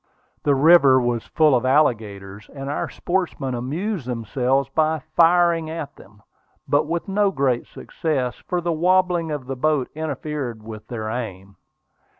The river was full of alligators, and our sportsmen amused themselves by firing at them, but with no great success, for the wobbling of the boat interfered with their aim.